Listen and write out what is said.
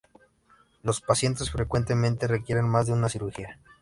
Los pacientes frecuentemente requieren más de una cirugía.